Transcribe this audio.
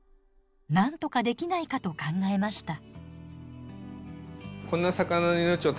なんとかできないかと考えました。